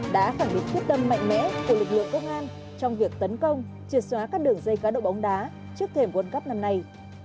đã khẳng định quyết tâm mạnh mẽ của lực lượng công an trong việc tấn công triệt xóa các đường dây cá độ bóng đá trước thềm quân cấp năm nay